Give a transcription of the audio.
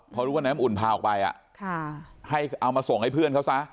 พอรู้ว่าน้ำอุ่นพาออกไปให้เอามาส่งให้เพื่อนเขาซะ